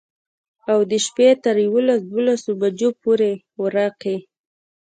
او د شپي تر يوولس دولسو بجو پورې ورقې.